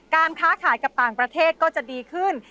ค้าขายกับต่างประเทศก็จะดีขึ้น